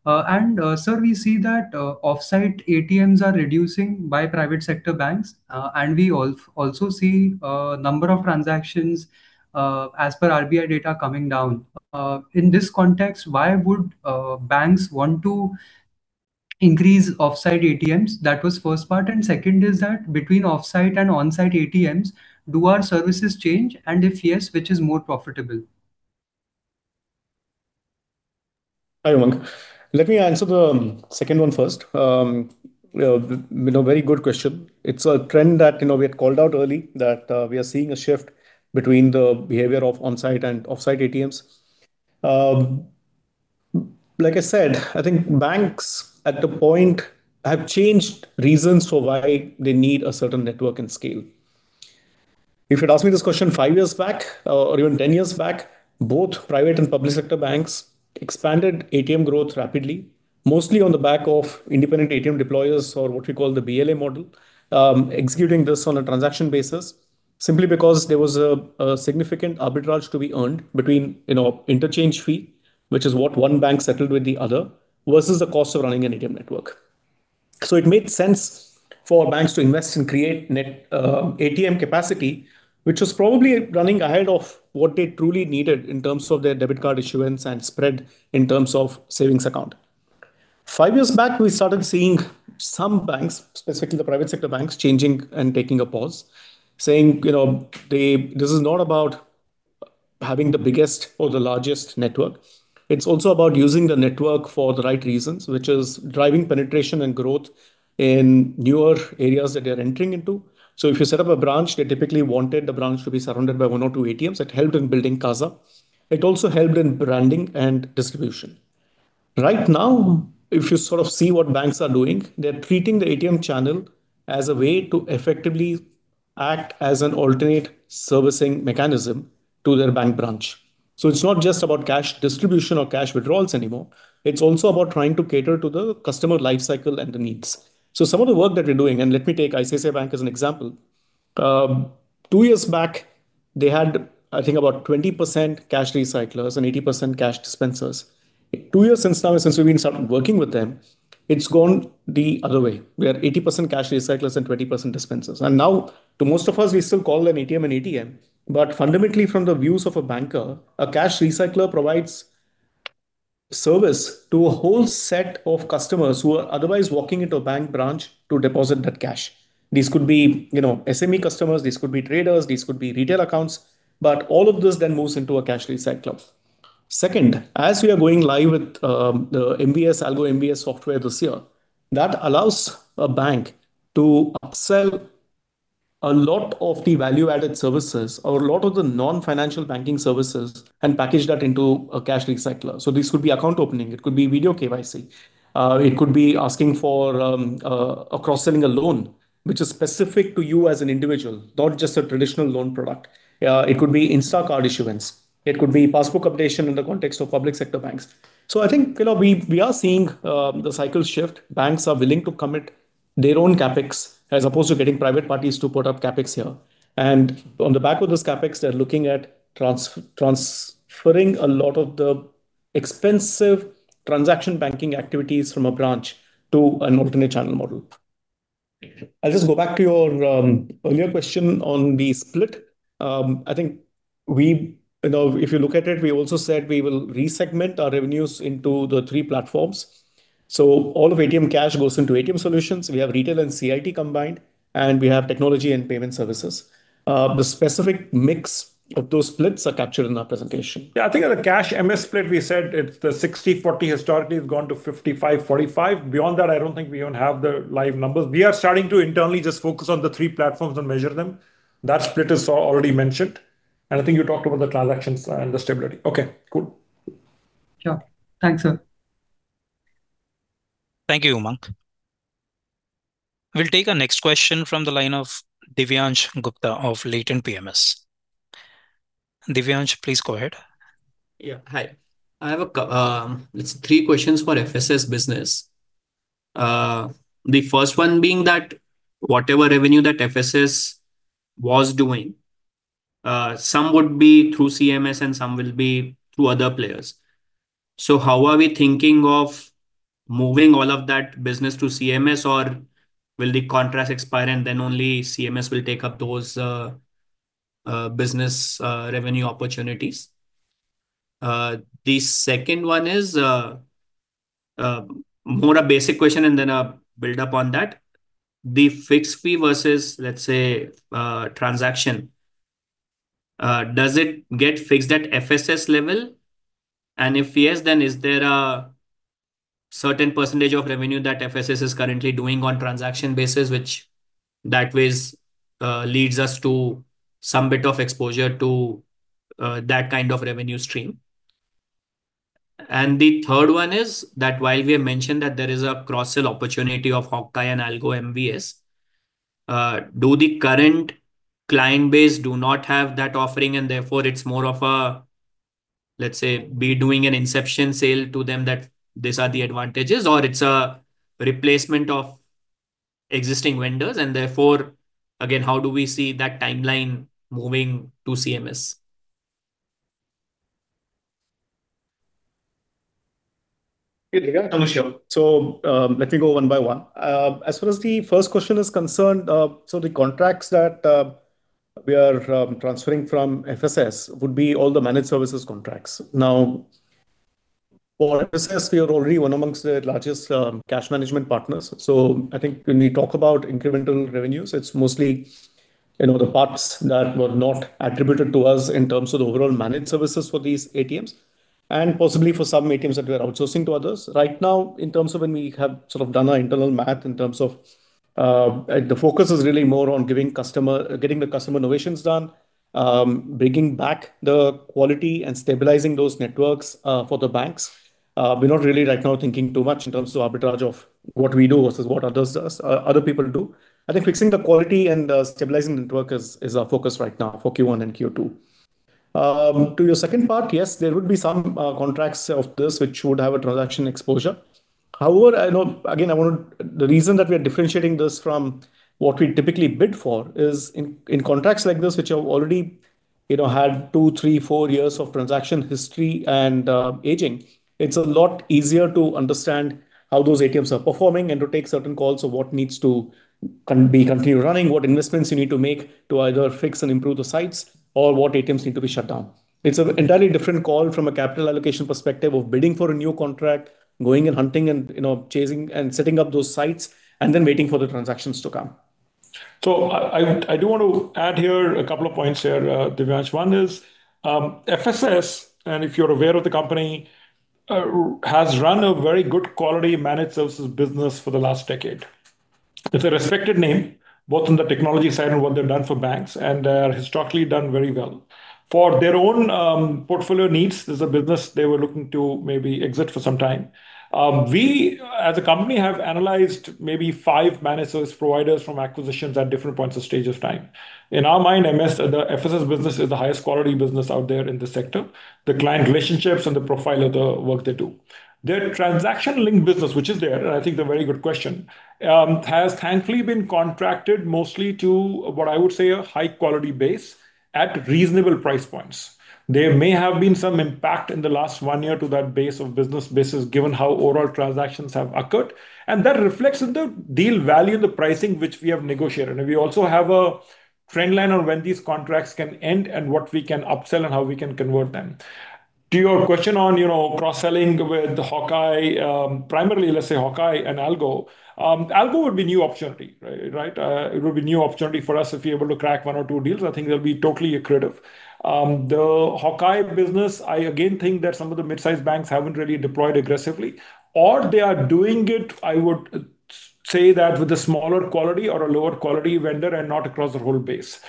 Certainly. Sir, we see that off-site ATMs are reducing by private sector banks, and we also see number of transactions, as per RBI data coming down. In this context, why would banks want to increase off-site ATMs? That was first part. Second is that between off-site and on-site ATMs, do our services change? If yes, which is more profitable? Hi, Umang. Let me answer the second one first. you know, very good question. It's a trend that, you know, we had called out early that we are seeing a shift between the behavior of on-site and off-site ATMs. Like I said, I think banks at the point have changed reasons for why they need a certain network and scale. If you'd asked me this question five years back or even 10 years back, both private and public sector banks expanded ATM growth rapidly, mostly on the back of independent ATM deployers or what we call the BLA model, executing this on a transaction basis simply because there was a significant arbitrage to be earned between, you know, interchange fee, which is what one bank settled with the other versus the cost of running an ATM network. It made sense for banks to invest and create net ATM capacity, which was probably running ahead of what they truly needed in terms of their debit card issuance and spread in terms of savings account. Five years back, we started seeing some banks, specifically the private sector banks, changing and taking a pause, saying, you know, this is not about having the biggest or the largest network. It is also about using the network for the right reasons, which is driving penetration and growth in newer areas that they are entering into. If you set up a branch, they typically wanted the branch to be surrounded by one or two ATMs. It helped in building CASA. It also helped in branding and distribution. Right now, if you sort of see what banks are doing, they are treating the ATM channel as a way to effectively Act as an alternate servicing mechanism to their bank branch. It's not just about cash distribution or cash withdrawals anymore, it's also about trying to cater to the customer life cycle and the needs. Some of the work that we're doing, and let me take ICICI Bank as an example. Two years back, they had, I think, about 20% cash recyclers and 80% cash dispensers. Two years since now, since we've been started working with them, it's gone the other way, where 80% cash recyclers and 20% dispensers. Now to most of us, we still call an ATM an ATM. Fundamentally, from the views of a banker, a cash recycler provides service to a whole set of customers who are otherwise walking into a bank branch to deposit that cash. These could be, you know, SME customers, these could be traders, these could be retail accounts. All of this then moves into a cash recycler. Second, as we are going live with the MVS, Algo MVS software this year, that allows a bank to upsell a lot of the value-added services or a lot of the non-financial banking services and package that into a cash recycler. This could be account opening, it could be video KYC, it could be asking for cross-selling a loan, which is specific to you as an individual, not just a traditional loan product. It could be instant card issuance, it could be passbook updation in the context of public sector banks. I think, you know, we are seeing the cycle shift. Banks are willing to commit their own CapEx as opposed to getting private parties to put up CapEx here. On the back of this CapEx, they're looking at transferring a lot of the expensive transaction banking activities from a branch to an alternate channel model. I'll just go back to your earlier question on the split. I think you know, if you look at it, we also said we will re-segment our revenues into the three platforms. All of ATM cash goes into ATM Solutions. We have retail and CIT combined, and we have technology and payment services. The specific mix of those splits are captured in our presentation. Yeah, I think on the cash MS split, we said it's the 60/40 historically has gone to 55/45. Beyond that, I don't think we even have the live numbers. We are starting to internally just focus on the three platforms and measure them. That split is already mentioned, I think you talked about the transactions and the stability. Okay, cool. Sure. Thanks, sir. Thank you, Umang. We'll take our next question from the line of Divyansh Gupta of Latent PMS. Divyansh, please go ahead. Yeah, hi. I have three questions for FSS business. The 1st one being that whatever revenue that FSS was doing, some would be through CMS and some will be through other players. How are we thinking of moving all of that business to CMS? Will the contracts expire and only CMS will take up those business revenue opportunities? The 2nd one is more a basic question and a build-up on that. The fixed fee versus, let's say, a transaction, does it get fixed at FSS level? If yes, is there a certain percentage of revenue that FSS is currently doing on transaction basis, which that ways leads us to some bit of exposure to that kind of revenue stream? The third one is that while we have mentioned that there is a cross-sell opportunity of HawkEye and ALGO MVS, do the current client base do not have that offering and therefore it's more of a, let's say, we doing an inception sale to them that these are the advantages, or it's a replacement of existing vendors, and therefore, again, how do we see that timeline moving to CMS? Hey, Divyansh. Let me go one by one. As far as the first question is concerned, the contracts that we are transferring from FSS would be all the managed services contracts. For FSS, we are already one amongst the largest cash management partners. I think when we talk about incremental revenues, it's mostly, you know, the parts that were not attributed to us in terms of the overall managed services for these ATMs, and possibly for some ATMs that we are outsourcing to others. In terms of when we have sort of done our internal math in terms of, the focus is really more on getting the customer innovations done, bringing back the quality and stabilizing those networks for the banks. We're not really right now thinking too much in terms of arbitrage of what we do versus what others, other people do. I think fixing the quality and stabilizing the network is our focus right now for Q1 and Q2. To your second part, yes, there would be some contracts of this which would have a transaction exposure. However, the reason that we are differentiating this from what we typically bid for is in contracts like this, which have already, you know, had two, three, four years of transaction history and aging, it's a lot easier to understand how those ATMs are performing and to take certain calls of what needs to be continued running, what investments you need to make to either fix and improve the sites, or what ATMs need to be shut down. It's an entirely different call from a capital allocation perspective of bidding for a new contract, going and hunting and, you know, chasing and setting up those sites and then waiting for the transactions to come. I do want to add here a couple of points here, Divyansh. One is, FSS, if you're aware of the company, has run a very good quality managed services business for the last decade. It's a respected name, both on the technology side and what they've done for banks, historically done very well. For their own portfolio needs, this is a business they were looking to maybe exit for some time. We as a company have analyzed maybe five managed service providers from acquisitions at different points of stage of time. In our mind, the FSS business is the highest quality business out there in the sector, the client relationships and the profile of the work they do. Their transaction-linked business, which is there, and I think a very good question, has thankfully been contracted mostly to what I would say a high-quality base at reasonable price points. There may have been some impact in the last one year to that base of business given how overall transactions have occurred. That reflects in the deal value and the pricing which we have negotiated. We also have a trend line on when these contracts can end and what we can upsell and how we can convert them. To your question on, you know, cross-selling with HawkEye, primarily, let's say HawkEye and ALGO. ALGO would be new opportunity, right? It would be new opportunity for us if we're able to crack one or two deals. I think they'll be totally accretive. The HawkEye business, I again think that some of the mid-sized banks haven't really deployed aggressively, or they are doing it, I would say that with a smaller quality or a lower quality vendor and not across the whole base.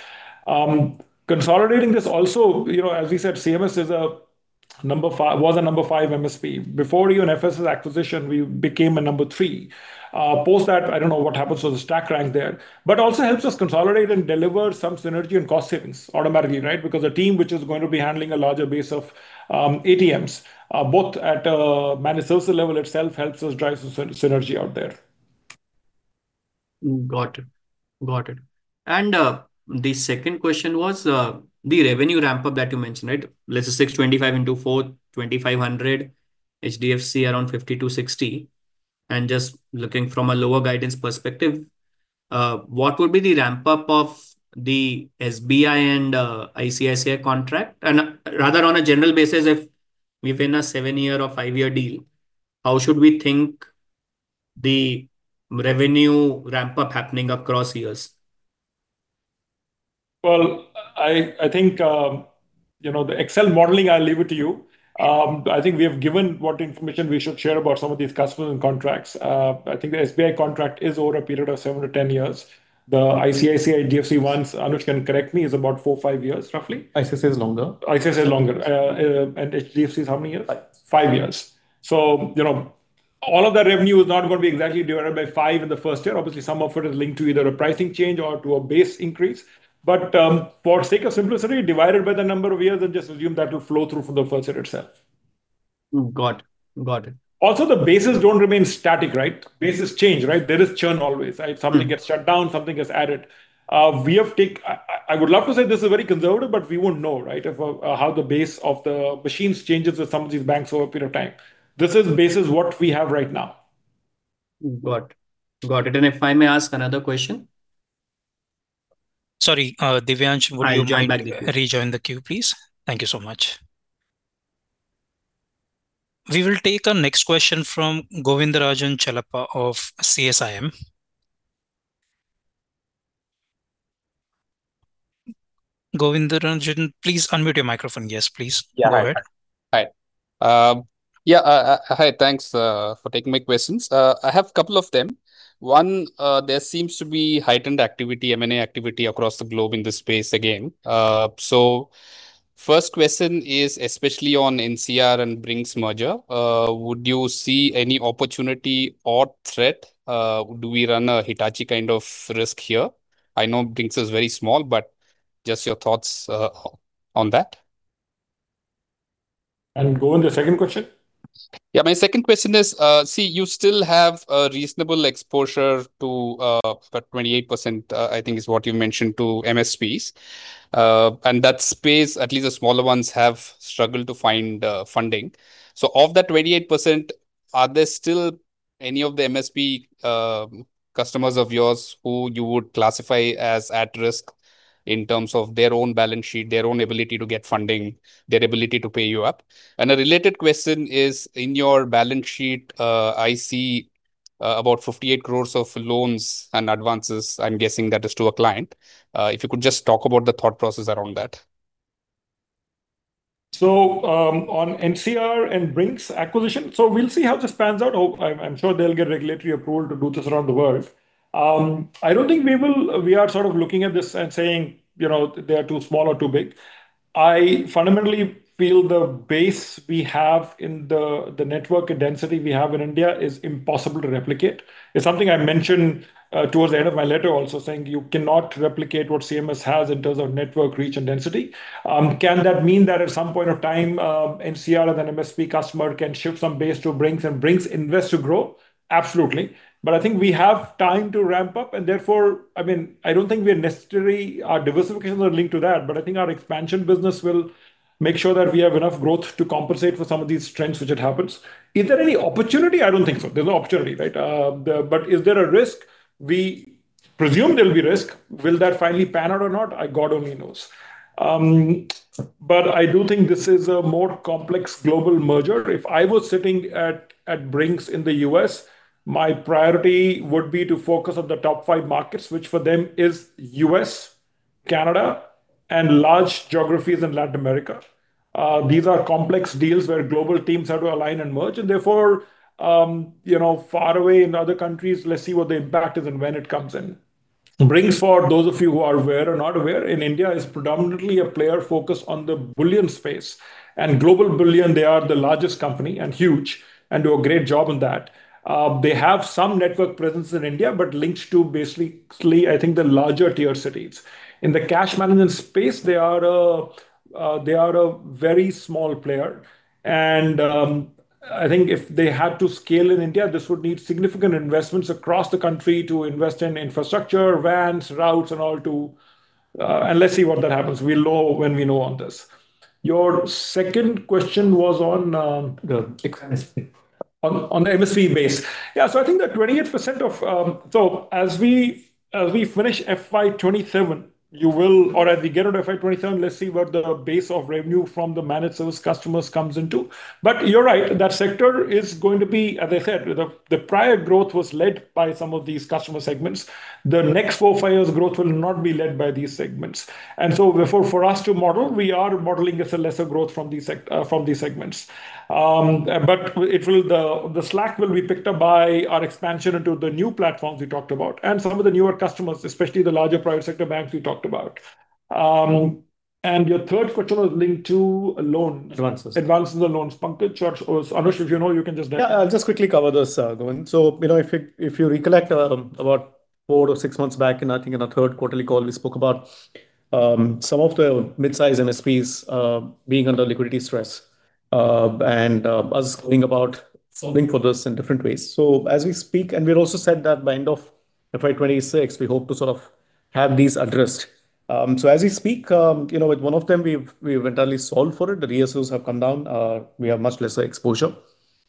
Consolidating this also, you know, as we said, CMS was a number 5 MSP. Before even FSS acquisition, we became a number 3. Post that, I don't know what happens to the stack rank there. Also helps us consolidate and deliver some synergy and cost savings automatically, right? Because a team which is going to be handling a larger base of ATMs, both at a managed service level itself helps us drive synergy out there. Got it. Got it. The second question was the revenue ramp-up that you mentioned, right? Let's say 625 into four, 2,500. HDFC around 50 to 60. Just looking from a lower guidance perspective, what would be the ramp-up of the SBI and ICICI contract? Rather on a general basis, if we've been a seven-year or five-year deal, how should we think the revenue ramp-up happening across years? Well, I think, you know, the Excel modeling, I'll leave it to you. I think we have given what information we should share about some of these customers and contracts. I think the SBI contract is over a period of seven to 10 years. The ICICI, HDFC ones, Anush Raghavan can correct me, is about four or five years, roughly. ICICI is longer. ICICI is longer. HDFC is how many years? five years. You know, all of that revenue is not gonna be exactly divided by five in the first year. Obviously, some of it is linked to either a pricing change or to a base increase. For sake of simplicity, divide it by the number of years and just assume that will flow through for the first year itself. Got it. Got it. Also, the bases don't remain static, right? Bases change, right? There is churn always, right? Something gets shut down, something gets added. I would love to say this is very conservative, but we won't know, right? Of how the base of the machines changes with some of these banks over a period of time. This is bases what we have right now. Got it. If I may ask another question. Sorry, Divyansh, would you mind. I join back. Rejoin the queue, please? Thank you so much. We will take our next question from Govindarajan Chellappa of CSIM. Govindarajan, please unmute your microphone. Yes, please. Go ahead. Yeah. Hi. Yeah, hi. Thanks for taking my questions. I have a couple of them. One, there seems to be heightened activity, M&A activity across the globe in this space again. First question is especially on NCR and Brink's merger. Would you see any opportunity or threat? Do we run a Hitachi kind of risk here? I know Brink's is very small, but just your thoughts on that. Govind, the second question. My second question is, see, you still have a reasonable exposure to about 28%, I think is what you mentioned to MSPs. That space, at least the smaller ones, have struggled to find funding. Of that 28%, are there still any of the MSP customers of yours who you would classify as at risk in terms of their own balance sheet, their own ability to get funding, their ability to pay you up? A related question is, in your balance sheet, I see about 58 crores of loans and advances, I am guessing that is to a client. If you could just talk about the thought process around that? On NCR and Brink's acquisition. We'll see how this pans out. I'm sure they'll get regulatory approval to do this around the world. I don't think we are sort of looking at this and saying, you know, they are too small or too big. I fundamentally feel the base we have in the network and density we have in India is impossible to replicate. It's something I mentioned towards the end of my letter also saying you cannot replicate what CMS has in terms of network reach and density. Can that mean that at some point of time, NCR as an MSP customer can shift some base to Brink's and Brink's invest to grow? Absolutely. I think we have time to ramp up, and therefore, I mean, I don't think we are necessarily our diversification are linked to that, but I think our expansion business will make sure that we have enough growth to compensate for some of these trends which it happens. Is there any opportunity? I don't think so. There's no opportunity, right? Is there a risk? We presume there'll be risk. Will that finally pan out or not? God only knows. I do think this is a more complex global merger. If I was sitting at Brink's in the U.S., my priority would be to focus on the top five markets, which for them is U.S., Canada, and large geographies in Latin America. These are complex deals where global teams have to align and merge, and therefore, you know, far away in other countries, let's see what the impact is and when it comes in. Brink's, those of you who are aware or not aware, in India is predominantly a player focused on the bullion space. Global Bullion, they are the largest company and huge and do a great job in that. They have some network presence in India, but linked to basically, I think, the larger tier cities. In the cash management space, they are a very small player. I think if they had to scale in India, this would need significant investments across the country to invest in infrastructure, vans, routes and all. Let's see what that happens. We'll know when we know on this. Your second question was on. The MSP. On MSP base. Yeah, I think that 28% of. As we finish FY 2027, or as we get into FY 2027, let's see what the base of revenue from the managed service customers comes into. You're right, that sector is going to be, as I said, the prior growth was led by some of these customer segments. The next 4 or 5 years growth will not be led by these segments. For us to model, we are modeling as a lesser growth from these segments. The slack will be picked up by our expansion into the new platforms we talked about and some of the newer customers, especially the larger private sector banks we talked about. Your third question was linked to loans. Advances and loans. Pankaj, George or Anush, if you know. Yeah, I'll just quickly cover this, Govind. You know, if you, if you recollect, about 4 or 6 months back, in I think in our 3rd quarterly call, we spoke about some of the mid-size MSPs being under liquidity stress, and us going about solving for this in different ways. As we speak, and we also said that by end of FY 2026, we hope to sort of have these addressed. As we speak, you know, with one of them, we've entirely solved for it. The ratios have come down. We have much lesser exposure.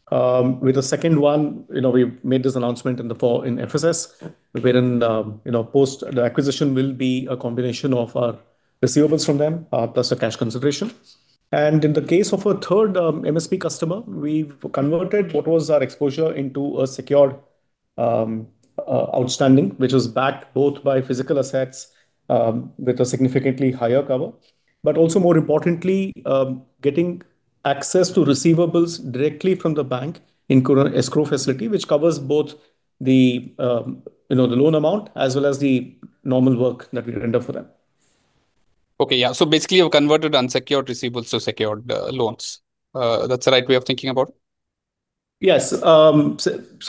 With the second one, you know, we made this announcement in the fall in FSS, wherein, you know, post the acquisition will be a combination of our receivables from them, plus a cash consideration. In the case of a third MSP customer, we've converted what was our exposure into a secured outstanding, which was backed both by physical assets with a significantly higher cover. Also, more importantly, getting access to receivables directly from the bank in current escrow facility, which covers both the, you know, the loan amount as well as the normal work that we render for them. Okay, yeah. Basically, you've converted unsecured receivables to secured loans. That's the right way of thinking about it? Yes.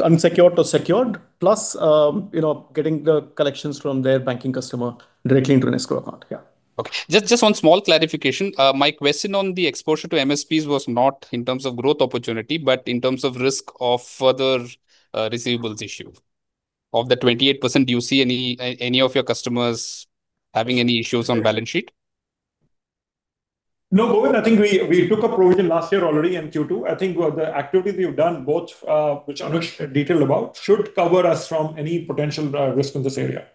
Unsecured to secured, plus, you know, getting the collections from their banking customer directly into an escrow account. Yeah. Okay. Just one small clarification. My question on the exposure to MSPs was not in terms of growth opportunity, but in terms of risk of further receivables issue. Of the 28%, do you see any of your customers having any issues on balance sheet? No, Govind, I think we took a provision last year already in Q2. I think the activities we've done, both, which Anush detailed about, should cover us from any potential risk in this area.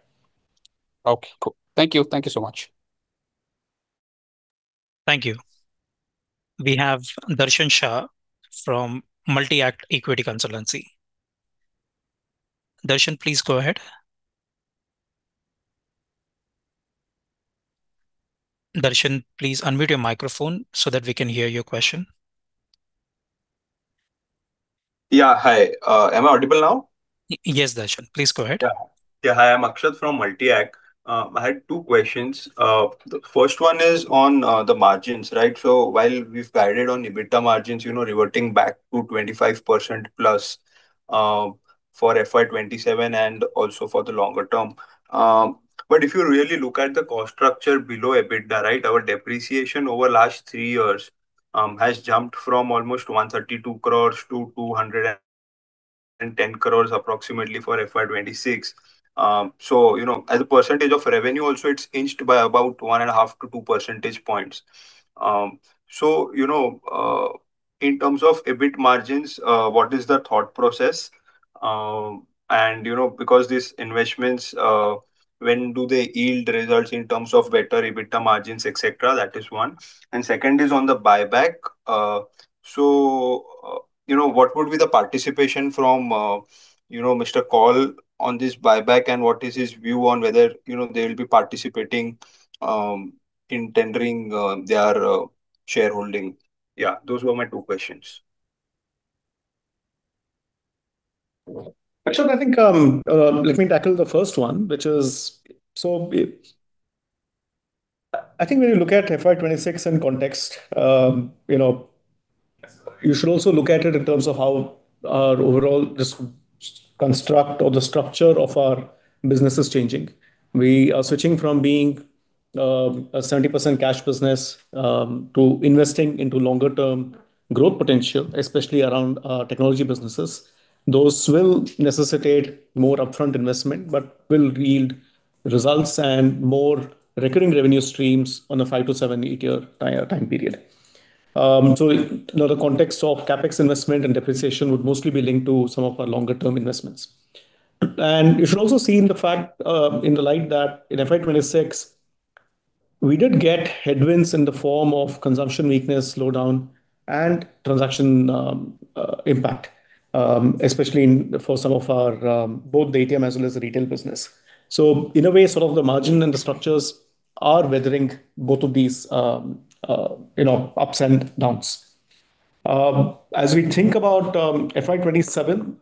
Okay, cool. Thank you. Thank you so much. Thank you. We have Darshan Shah from Multi-Act Equity Consultancy. Darshan, please go ahead. Darshan, please unmute your microphone so that we can hear your question. Hi. Am I audible now? Yes, Darshan, please go ahead. Hi, I'm Akshat from Multi-Act. I had two questions. The first one is on the margins, right? While we've guided on EBITDA margins, you know, reverting back to 25%+, for FY 2027 and also for the longer term. If you really look at the cost structure below EBITDA, right, our depreciation over last three years has jumped from almost 132 crores to 210 crores approximately for FY 2026. You know, as a percentage of revenue also, it's inched by about one and a half to two percentage points. You know, in terms of EBITDA margins, what is the thought process? You know, because these investments, when do they yield results in terms of better EBITDA margins, et cetera? That is one. Second is on the buyback. You know, what would be the participation from, you know, Rajiv Kaul on this buyback, and what is his view on whether, you know, they'll be participating in tendering their shareholding? Yeah, those were my two questions. Akshat, I think, let me tackle the first one, which is I think when you look at FY 2026 in context, you know, you should also look at it in terms of how our overall construct or the structure of our business is changing. We are switching from being a 70% cash business to investing into longer-term growth potential, especially around our technology businesses. Those will necessitate more upfront investment, but will yield results and more recurring revenue streams on a five to seven-year time period. You know, the context of CapEx investment and depreciation would mostly be linked to some of our longer-term investments. You should also see in the fact, in the light that in FY 2026 We did get headwinds in the form of consumption weakness, slowdown, and transaction impact, especially for some of our both the ATM as well as the retail business. In a way, sort of the margin and the structures are weathering both of these, you know, ups and downs. As we think about FY 2027,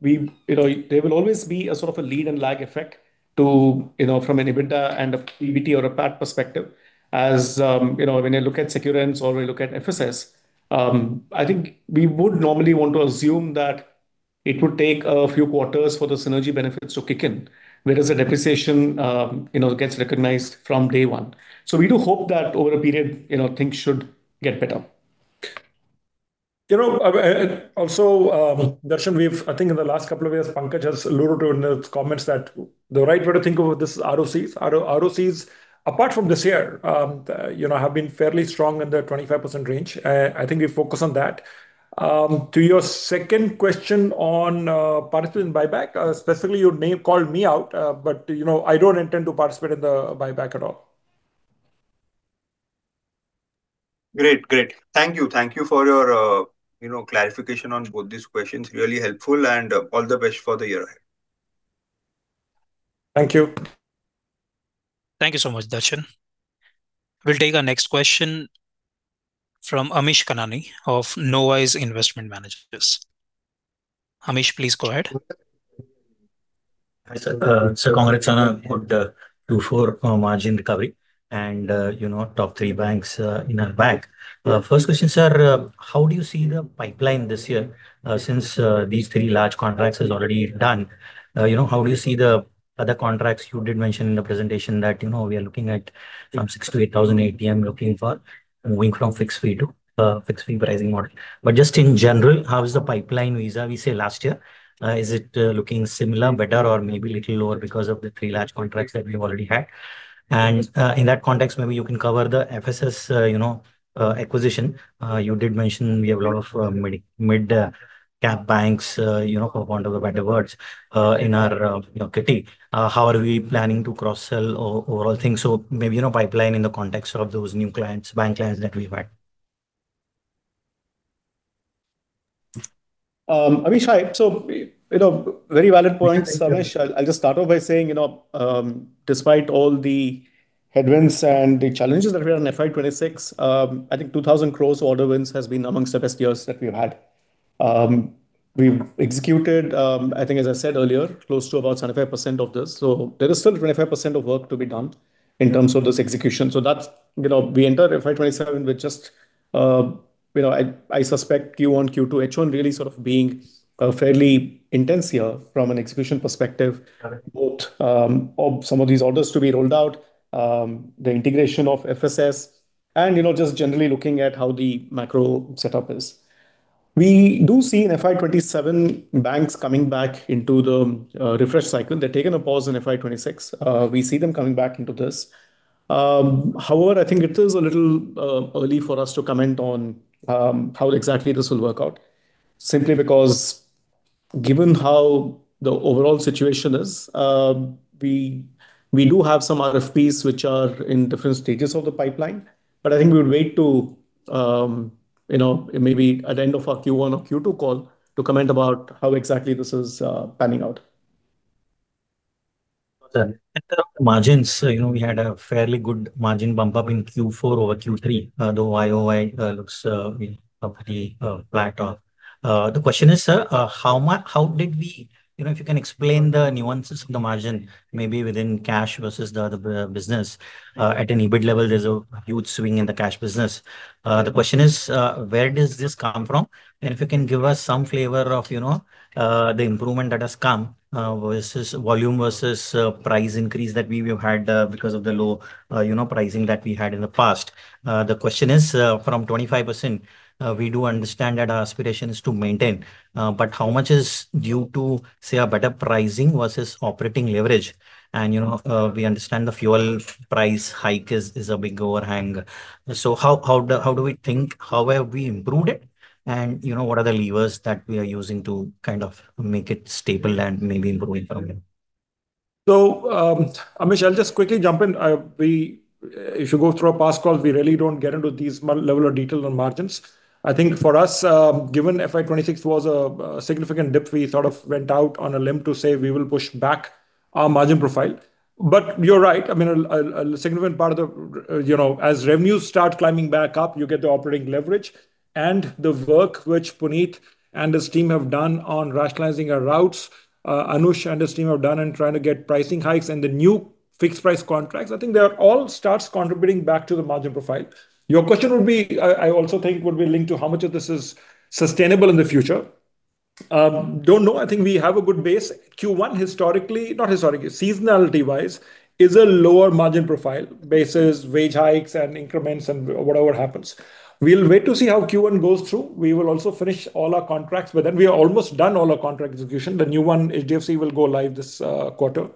we, you know, there will always be a sort of a lead and lag effect to, you know, from an EBITDA and a PBT or a PAT perspective. You know, when you look at Securens or we look at FSS, I think we would normally want to assume that it would take a few quarters for the synergy benefits to kick in, whereas the depreciation, you know, gets recognized from day one. We do hope that over a period, you know, things should get better. You know, also, Darshan, I think in the last couple of years, Pankaj has alluded to in the comments that the right way to think about this is ROCs. ROCs, apart from this year, you know, have been fairly strong in their 25% range. I think we focus on that. To your second question on participant buyback, specifically called me out, but, you know, I don't intend to participate in the buyback at all. Great. Great. Thank you. Thank you for your, you know, clarification on both these questions. Really helpful, and all the best for the year ahead. Thank you. Thank you so much, Darshan. We will take our next question from Amish Kanani of Knowise Investment Managers. Amish, please go ahead. Hi, sir. Sir, congrats on a good Q4 margin recovery and, you know, top three banks in our bank. First question, sir. How do you see the pipeline this year, since these three large contracts is already done? You know, how do you see the other contracts? You did mention in the presentation that, you know, we are looking at from 6,000 to 8,000 ATM looking for moving from fixed fee to fixed fee pricing model. Just in general, how is the pipeline vis-à-vis last year? Is it looking similar, better, or maybe little lower because of the three large contracts that we've already had? In that context, maybe you can cover the FSS, you know, acquisition. You did mention we have a lot of mid-cap banks, you know, for want of a better words, in our, you know, kitty. How are we planning to cross-sell overall things? Maybe, you know, pipeline in the context of those new clients, bank clients that we've had. Amish, you know, very valid points, Amish. Thank you. I'll just start off by saying, you know, despite all the headwinds and the challenges that were on FY 2026, I think 2,000 crores order wins has been amongst the best years that we've had. We've executed, I think as I said earlier, close to about 75% of this. There is still 25% of work to be done in terms of this execution. That's, you know, we enter FY 2027 with just, you know, I suspect Q1, Q2, H1 really sort of being a fairly intense year from an execution perspective. Both of some of these orders to be rolled out, the integration of FSS and, you know, just generally looking at how the macro setup is. We do see in FY 2027 banks coming back into the refresh cycle. They'd taken a pause in FY 2026. We see them coming back into this. However, I think it is a little early for us to comment on how exactly this will work out. Simply because given how the overall situation is, we do have some RFPs which are in different stages of the pipeline. I think we would wait to, you know, maybe at the end of our Q1 or Q2 call to comment about how exactly this is panning out. Got that. Then on margins, you know, we had a fairly good margin bump up in Q4 over Q3, though YOY looks very flat off. The question is, sir, you know, if you can explain the nuances of the margin, maybe within cash versus the business. At an EBITDA level, there's a huge swing in the cash business. The question is, where does this come from? If you can give us some flavor of, you know, the improvement that has come versus volume versus price increase that we've had because of the low, you know, pricing that we had in the past. The question is, from 25%, we do understand that our aspiration is to maintain, but how much is due to, say, a better pricing versus operating leverage? You know, we understand the fuel price hike is a big overhang. How have we improved it? You know, what are the levers that we are using to kind of make it stable and maybe improve it further? Amish, I'll just quickly jump in. If you go through our past calls, we really don't get into these level of detail on margins. I think for us, given FY 2026 was a significant dip, we sort of went out on a limb to say we will push back our margin profile. You're right. A significant part of the, you know, as revenues start climbing back up, you get the operating leverage. The work which Puneet and his team have done on rationalizing our routes, Anush and his team have done in trying to get pricing hikes and the new fixed price contracts, I think they are all starts contributing back to the margin profile. Your question would be, I also think would be linked to how much of this is sustainable in the future. Don't know. I think we have a good base. Q1 historically, not historically, seasonality-wise, is a lower margin profile. Bases, wage hikes, and increments and whatever happens. We'll wait to see how Q1 goes through. We will also finish all our contracts. By then we are almost done all our contract execution. The new one, HDFC, will go live this quarter.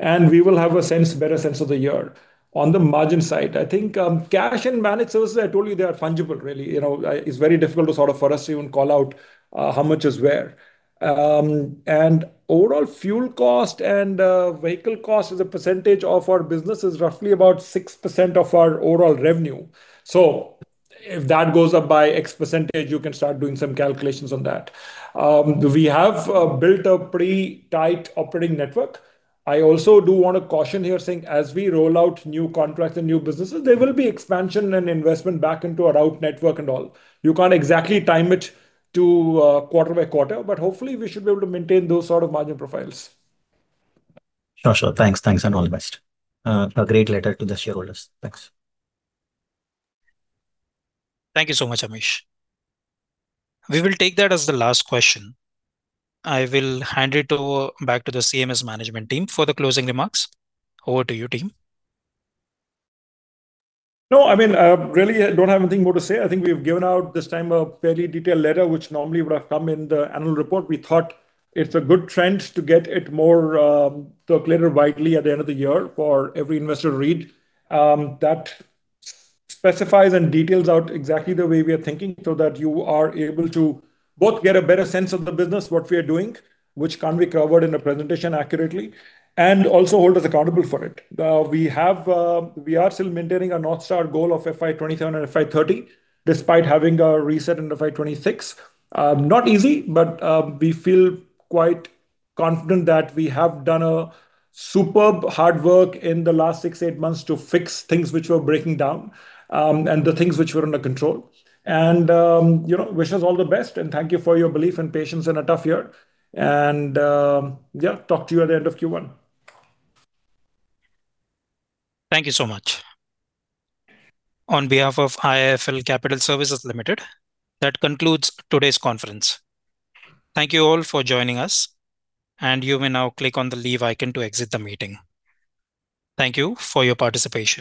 We will have a sense, better sense of the year. On the margin side, I think, cash and managed services, I told you, they are fungible really. You know, it's very difficult to sort of for us to even call out, how much is where. And overall fuel cost and vehicle cost as a percentage of our business is roughly about 6% of our overall revenue. If that goes up by X%, you can start doing some calculations on that. We have built a pretty tight operating network. I also do wanna caution here saying as we roll out new contracts and new businesses, there will be expansion and investment back into our route network and all. You can't exactly time it to quarter by quarter, but hopefully we should be able to maintain those sort of margin profiles. Sure, sure. Thanks. Thanks and all the best. A great letter to the shareholders. Thanks. Thank you so much, Amish. We will take that as the last question. I will hand it over back to the CMS management team for the closing remarks. Over to you, team. No, I mean, I really don't have anything more to say. I think we've given out this time a very detailed letter which normally would have come in the annual report. We thought it's a good trend to get it more circulated widely at the end of the year for every investor read that specifies and details out exactly the way we are thinking so that you are able to both get a better sense of the business, what we are doing, which can't be covered in a presentation accurately, and also hold us accountable for it. We are still maintaining a North Star goal of FY 2027 and FY 2030 despite having a reset in the FY 2026. Not easy, but we feel quite confident that we have done a superb hard work in the last six, eight months to fix things which were breaking down and the things which were under control. You know, wish us all the best and thank you for your belief and patience in a tough year. Talk to you at the end of Q1. Thank you so much. On behalf of IIFL Capital Services Limited, that concludes today's conference. Thank you all for joining us, and you may now click on the leave icon to exit the meeting. Thank you for your participation.